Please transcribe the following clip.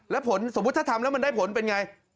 แล้วสมมุติถ้าทำแล้วมันได้ผลเป็นอย่างไร